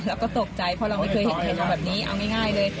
เราก็ตกใจเพราะเราไม่เคยเห็นเหตุการณ์แบบนี้เอาง่ายเลย